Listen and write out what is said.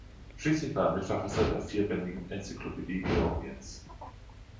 Schließlich war er Mitverfasser der vierbändigen „Enzyklopädie Georgiens“.